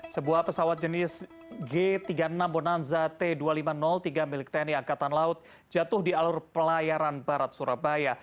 sebuah pesawat jenis g tiga puluh enam bonanza t dua ribu lima ratus tiga milik tni angkatan laut jatuh di alur pelayaran barat surabaya